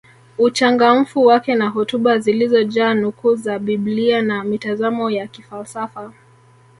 Uchangamfu wake na hotuba zilizojaa nukuu za biblia na mitazamo ya kifalsafa